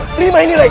terima ini rai